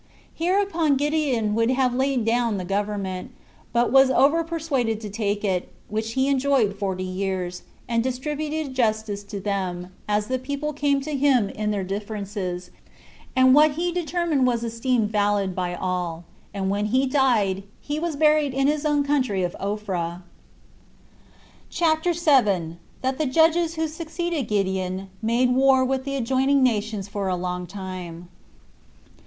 7. Hereupon Gideon would have laid down the government, but was over persuaded to take it, which he enjoyed forty years, and distributed justice to them, as the people came to him in their differences; and what he determined was esteemed valid by all. And when he died, he was buried in his own country of Ophrah. CHAPTER 7. That The Judges Who Succeeded Gideon Made War With The Adjoining Nations For A Long Time.